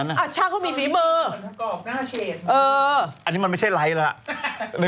อันนี้มันไม่ใช่ไลด์เหล่ะ